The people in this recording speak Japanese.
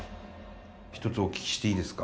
一つお聞きしていいですか？